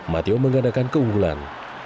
mati oroskan mengadakan keunggulan